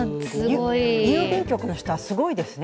郵便局の人はすごいですね。